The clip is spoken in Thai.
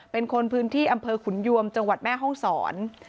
เป็นคนพื้นที่อำเภอขุนยวมจังหวัดแม่ห้องศร